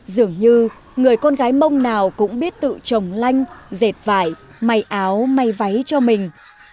dường như người con gái mông nào cũng biết tự trồng lanh dệt vải may áo may váy cho mình